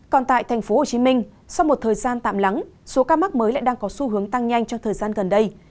còn tại tp hcm sau một thời gian tạm lắng số ca mắc mới lại đang có xu hướng tăng nhanh trong thời gian gần đây